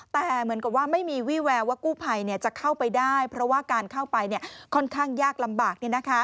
แต่เหมือนกับว่าไม่มีวี่แววว่ากู้ภัยจะเข้าไปได้เพราะว่าการเข้าไปค่อนข้างยากลำบาก